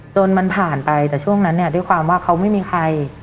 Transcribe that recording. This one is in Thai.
จนมันผ่านไปแต่ช่วงนั้นเนี่ยด้วยความว่าเขาไม่มีใคร